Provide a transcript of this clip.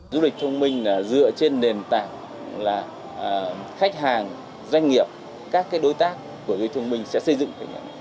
du lịch thông minh dựa trên nền tảng là khách hàng doanh nghiệp các đối tác của du lịch thông minh sẽ xây dựng